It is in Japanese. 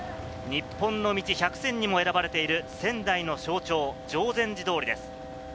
日本の道１００選にも選ばれている仙台の象徴、定禅寺通です。